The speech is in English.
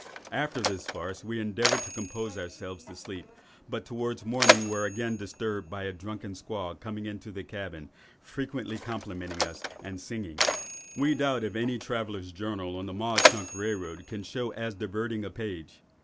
After this farce, we endeavoured to compose ourselves to sleep, but towards morning were again disturbed by a drunken squaw coming into the cabin, frequently complimenting us and singing." We doubt if any traveller's journal on the Mauch Chunk rail road can show as diverting a page.